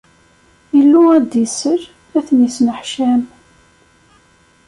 Illu ad d-isel, ad ten-isneḥcam.